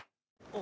あ。